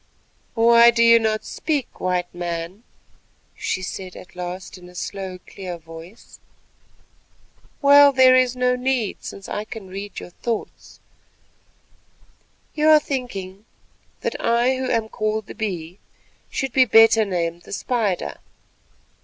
"Why do you not speak, White Man?" she said at last in a slow clear voice. "Well, there is no need, since I can read your thoughts. You are thinking that I who am called the Bee should be better named the Spider.